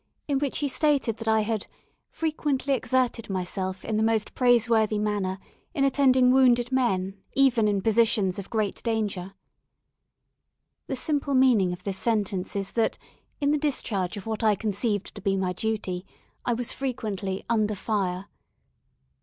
in which he stated that I had "frequently exerted myself in the most praiseworthy manner in attending wounded men, even in positions of great danger." The simple meaning of this sentence is that, in the discharge of what I conceived to be my duty, I was frequently "under fire."